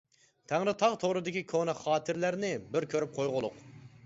تەڭرىتاغ تورىدىكى كونا خاتىرىلەرنى بىر كۆرۈپ قويغۇلۇق.